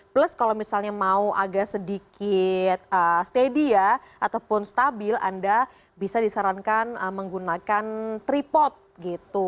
plus kalau misalnya mau agak sedikit steady ya ataupun stabil anda bisa disarankan menggunakan tripod gitu